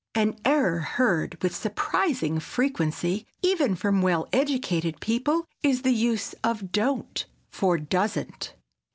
An error heard with surprising frequency even from well educated people is the use of "don't" for "doesn't."